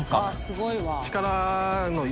すごいわ。